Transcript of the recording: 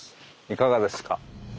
いかがですか？